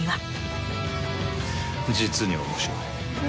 実に面白い。